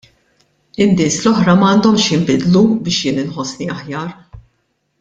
In-nies l-oħra m'għandhomx jinbidlu biex jien inħossni aħjar.